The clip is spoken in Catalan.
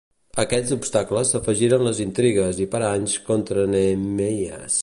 A aquests obstacles s'afegiren les intrigues i paranys contra Nehemies.